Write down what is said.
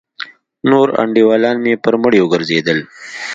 نور انډيوالان مې پر مړيو گرځېدل.